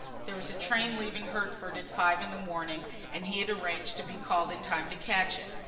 There was a train leaving Hertford at five in the morning and he had arranged to be called in time to catch it.